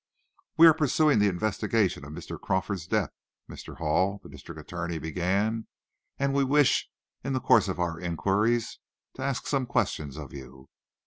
"We are pursuing the investigation of Mr. Joseph Crawford's death, Mr. Hall," the district attorney began, "and we wish, in the course of our inquiries, to ask some questions of you."